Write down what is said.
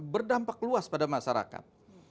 berdampak luas pada masyarakat